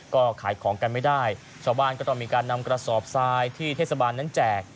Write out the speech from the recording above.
ก็ขายของกันไม่ได้ชาวบ้านก็ต้องมีการนำกระสอบทรายที่เทศบาลนั้นแจก